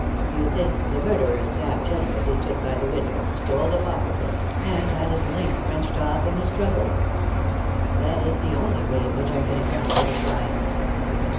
"You think the murderer stabbed Jenner as he stood by the window, stole the pocket book, and had his link wrenched off in the struggle?" "That is the only way in which I can account for the crime."